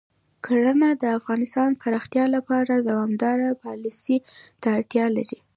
کرنه د اقتصادي پراختیا لپاره دوامداره پالیسۍ ته اړتیا لري.